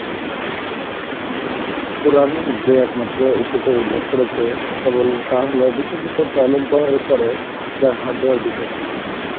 কুরআন যে একমাত্র ইস্যুতে উল্লেখ করেছে কেবল তা হ'ল বিশেষত টয়লেট ব্যবহারের পরে যার হাত ধোয়ার বিষয়টি।